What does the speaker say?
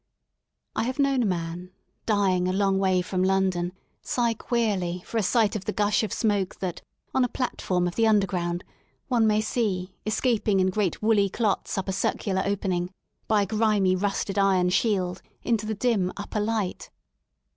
I have known a man, dying a long way from London, sigh queerly for a sight of the gush of smoke that, on a platform of the Underground, one may see, escaping in great woolly clots up a circular opening, by a grimy, rusted iron shield, into the dim upper light.